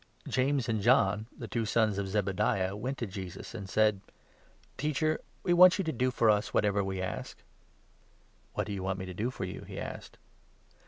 The Request James and John, the two sons of Zebediah, went 35 of James to Jesus, and said : and John. " Teacher, we want you to do for us what ever we ask." "What do you want me to do for you ?" he asked.